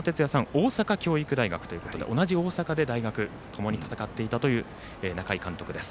大阪教育大学ということで同じ大阪でともに戦っていたという中井監督です。